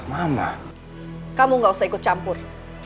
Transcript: mama kamu gak usah ikut campur